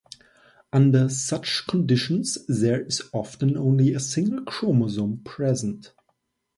Under such conditions there is often only a single chromosome present.